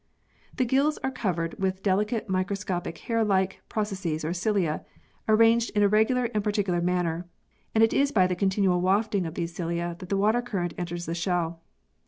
The gills are covered with delicate microscopic hair like processes or cilia, arranged in a regular and particular manner, and it is by the continual wafting of these cilia that the water current enters the shell.